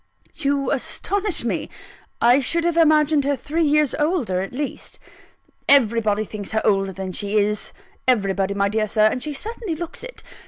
"You astonish me! I should have imagined her three years older at least." "Everybody thinks her older than she is everybody, my dear Sir and she certainly looks it.